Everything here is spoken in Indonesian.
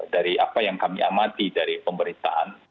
dari apa yang kami amati dari pemberitaan